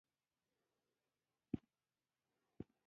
رسميات د سهار له اتو پیلیږي